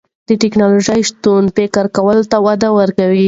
د تکنالوژۍ شتون فکر کولو ته وده ورکوي.